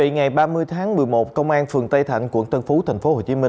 ngày ba mươi tháng một mươi một công an phường tây thạnh quận tân phú tp hcm